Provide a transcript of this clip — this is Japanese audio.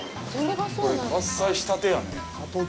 これ、伐採したてやね。